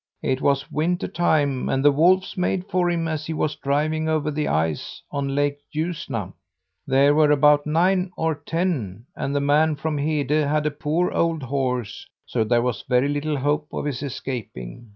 It was winter time and the wolves made for him as he was driving over the ice on Lake Ljusna. There were about nine or ten, and the man from Hede had a poor old horse, so there was very little hope of his escaping.